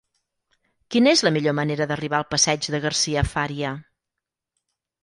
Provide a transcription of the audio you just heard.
Quina és la millor manera d'arribar al passeig de Garcia Fària?